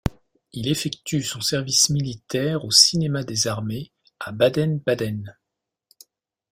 Il effectue son service militaire au Cinéma des Armées à Baden-Baden.